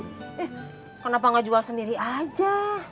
eh kenapa gak jual sendiri aja